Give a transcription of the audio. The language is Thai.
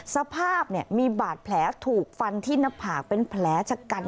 สภาพมีบาดแผลถูกฟันที่หน้าผากเป็นแผลชะกัน